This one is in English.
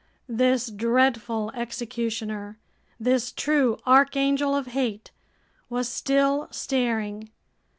This dreadful executioner, this true archangel of hate, was still staring.